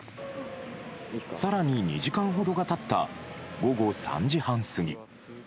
更に２時間ほどが経った午後３時半過ぎ